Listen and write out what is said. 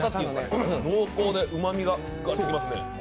濃厚でうまみがきますね。